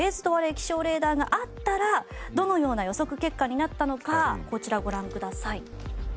気象レーダーがあったらどのような予測結果になったのかこちらご覧ください。